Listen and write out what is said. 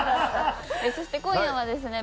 そして今夜はですね